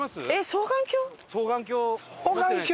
双眼鏡。